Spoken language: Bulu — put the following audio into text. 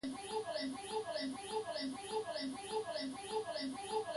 Abui nkôbo o ne medjo.